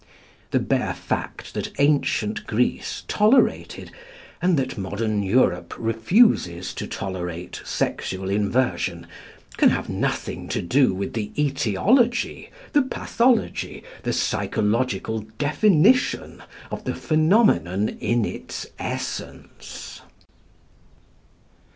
The bare fact that ancient Greece tolerated, and that modern Europe refuses to tolerate sexual inversion, can have nothing to do with the etiology, the pathology, the psychological definition of the phenomenon in its essence.